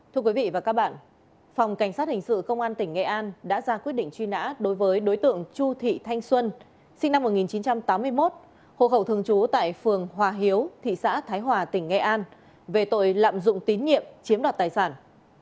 thưa quý vị và các bạn phòng cảnh sát hình sự công an tỉnh nghệ an đã ra quyết định truy nã đối với đối tượng chu thị thanh xuân sinh năm một nghìn chín trăm tám mươi một hộ khẩu thường trú tại phường hòa hiếu thị xã thái hòa tỉnh nghệ an về tội lạm dụng tín nhiệm chiếm đoạt tài sản